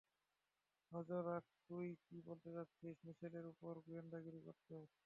নজর রাখ তুই কি বলতে চাচ্ছিস, মিশেলের উপর গোয়েন্দাগিরি করতে?